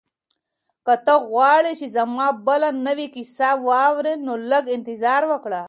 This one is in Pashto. که ته غواړې چې زما بله نوې کیسه واورې نو لږ انتظار وکړه.